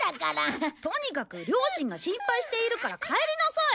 とにかく両親が心配しているから帰りなさい！